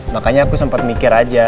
makanya aku sempat mikir aja